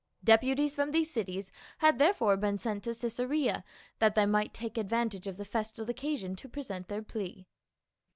Deputies from these cities had therefore been sent to Caesarea that they might take advantage of the festal occasion to present their plea.